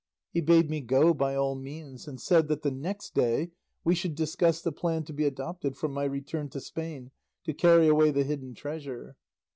He bade me go by all means, and said that the next day we should discuss the plan to be adopted for my return to Spain to carry away the hidden treasure.